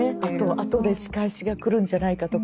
後で仕返しが来るんじゃないかとか。